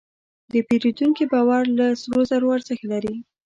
د پیرودونکي باور له سرو زرو ارزښت لري.